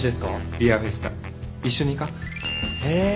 ビアフェスタ一緒に行かん？へ。